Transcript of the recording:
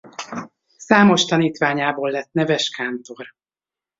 Számos tanítványából lett neves kántor.